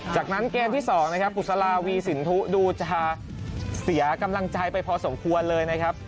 จากนั้นเกมที่๒นะครับบุษลาวีสินทุดูจะเสียกำลังใจไปพอสมควรเลยนะครับ